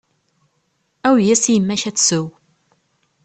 Awi-yas i yemma-k ad tsew.